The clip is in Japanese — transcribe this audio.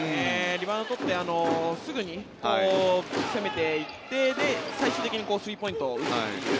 リバウンドを取ってすぐに攻めていって最終的にスリーポイントを打てている。